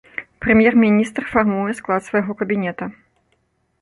Прэм'ер-міністр фармуе склад свайго кабінета.